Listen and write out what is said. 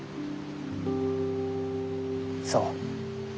そう。